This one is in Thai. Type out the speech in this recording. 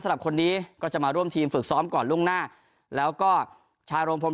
สำหรับคนนี้ก็จะมาร่วมทีมฝึกซ้อมก่อนล่วงหน้าแล้วก็ชารมพรม